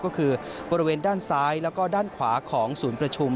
ก็คือบริเวณด้านซ้ายแล้วก็ด้านขวาของศูนย์ประชุม